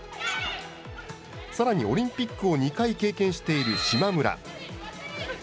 さらにオリンピックを２回経験している島村。